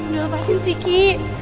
lo lepasin sih ki